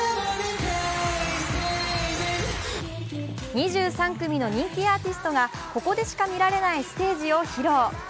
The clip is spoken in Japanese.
２３組の人気アーティストがここでしか見られないステージを披露。